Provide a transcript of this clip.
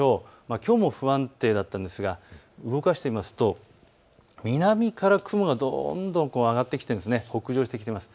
きょうも不安定だったんですが動かしてみますと南から雲がどんどん上がってきて北上してきています。